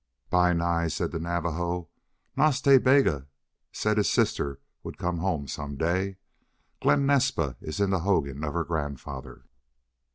"Bi Nai," said the Navajo, "Nas Ta Bega said his sister would come home some day.... Glen Naspa is in the hogan of her grandfather."